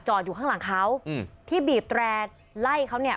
อยู่ข้างหลังเขาอืมที่บีบแตร่ไล่เขาเนี่ย